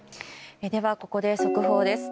ここで速報です。